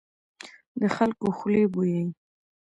د خلکو خولې بويي.